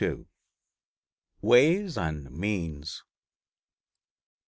WAYS AND MEANS.